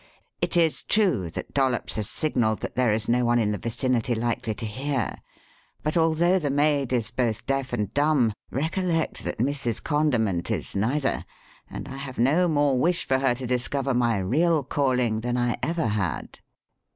"It is true Dollops has signalled that there is no one in the vicinity likely to hear, but although the maid is both deaf and dumb, recollect that Mrs. Condiment is neither; and I have no more wish for her to discover my real calling than I ever had."